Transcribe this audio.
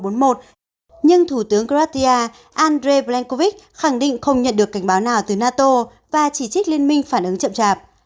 nhưng thủ tướng kratia andrei blankovic khẳng định không nhận được cảnh báo nào từ nato và chỉ trích liên minh phản ứng chậm chạp